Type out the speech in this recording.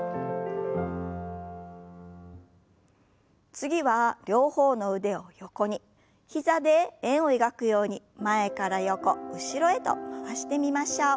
次は両方の腕を横に膝で円を描くように前から横後ろへと回してみましょう。